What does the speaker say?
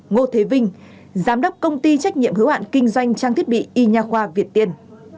ngô thế vinh giám đốc công ty trách nhiệm hữu hạn kinh doanh trang thiết bị y nhà khoa việt tiên